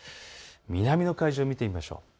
南の海上を見てみましょう。